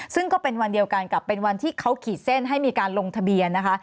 ซึ่งก็เป็นวันเดียวกันกับเป็นวันที่เขาขีดเส้นให้มีการลงทะเบียนนะคะ